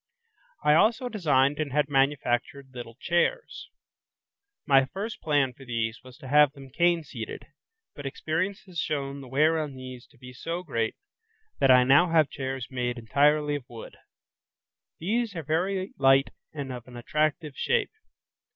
I also designed and had manufactured little chairs. My first plan for these was to have them cane seated, but experience has shown the wear on these to be so great, that I now have chairs made entirely of wood. These are very light and of an attractive shape.